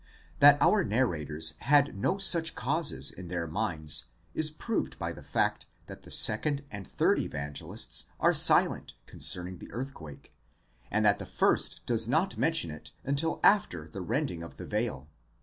'That our narrators had no such causes in their minds is proved by the fact that the second and third Evangelists are silent concerning the earth quake, and that the first does not mention it until after the rending of the veil.